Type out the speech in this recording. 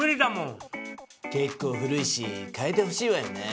結構古いし変えてほしいわよね！